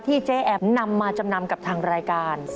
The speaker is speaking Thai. เจ๊แอ๋มนำมาจำนำกับทางรายการ